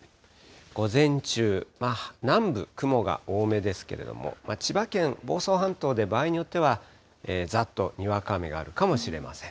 午前中、南部、雲が多めですけれども、千葉県、房総半島で場合によってはざーっとにわか雨があるかもしれません。